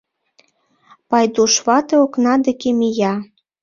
Пайдуш вате окна деке мия.